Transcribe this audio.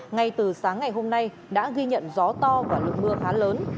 ngay từ sáng ngày hôm nay đã ghi nhận gió to và lượng mưa khá lớn